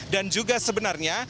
dan juga sebenarnya